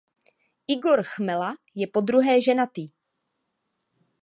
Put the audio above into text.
Igor Chmela je podruhé ženatý.